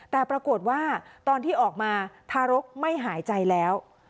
แต่ปรากฏว่าตอนที่ออกมาทารกไม่หายใจแล้ว